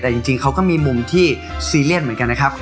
แต่จริงเขาก็มีมุมที่ซีเรียสเหมือนกันนะครับ